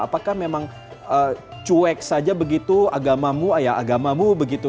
apakah memang cuek saja begitu agamamu ya agamamu begitu